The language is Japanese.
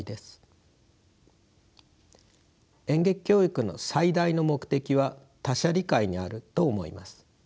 演劇教育の最大の目的は他者理解にあると思います。